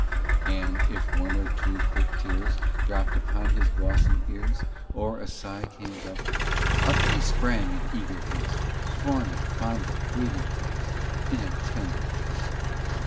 XI And if one or two quick tears Dropped upon his glossy ears, Or a sigh came double, Up he sprang in eager haste, Fawning, fondling, breathing fast, In a tender trouble.